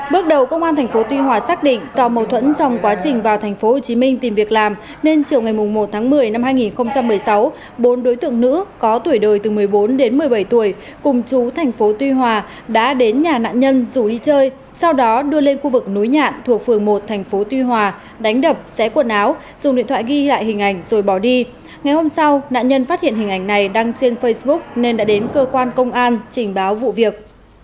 bước đầu công an tp tuy hòa xác định do mâu thuẫn trong quá trình vào tp hcm tìm việc làm nên chiều ngày một tháng một mươi năm hai nghìn một mươi sáu bốn đối tượng nữ có tuổi đời từ một mươi bốn đến một mươi bảy tuổi cùng chú tp tuy hòa đã đến nhà nạn nhân rủ đi chơi sau đó đưa lên khu vực núi nhạn thuộc phường một tp tuy hòa đánh đập xé quần áo dùng điện thoại ghi lại hình ảnh rồi bỏ đi ngày hôm sau nạn nhân phát hiện hình ảnh này đăng trên facebook nên đã đến cơ quan công an trình báo vụ việc